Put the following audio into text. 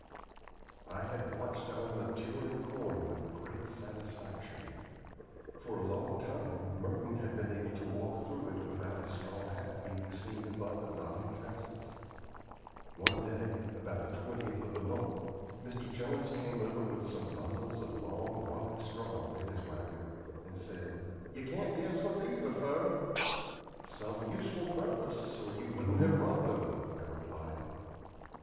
I had watched our maturing corn with great satisfaction. For a long time Merton had been able to walk through it without his straw hat being seen above the nodding tassels. One day, about the 20th of the month, Mr. Jones came over with some bundles of long rye straw in his wagon, and said, "Yer can't guess what these are fer." "Some useful purpose, or you wouldn't have brought them," I replied.